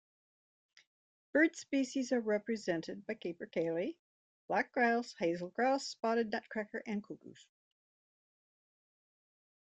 Bird species are represented by capercaillie, black grouse, hazel grouse, spotted nutcracker, and cuckoos.